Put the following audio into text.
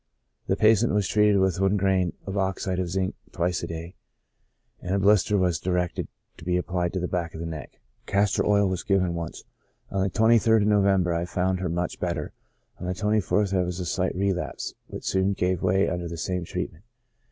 The patient was treated with one grain of oxide of zinc twice a day, and a blister was directed to be applied to the back of the neck ; 96 CHRONIC ALCOHOLISM. castor oil was given once. On the 23rd of November I found her much better, on the 24th there wzs a slight re lapse, which soon gave way under the same treatment.